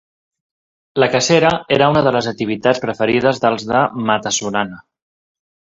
La cacera era una de les activitats preferides dels de Mata-solana.